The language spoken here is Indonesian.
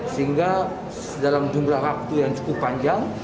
sehingga dalam jumlah waktu yang cukup panjang